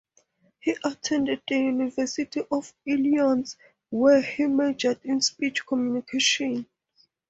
He attended the University of Illinois where he majored in speech communications.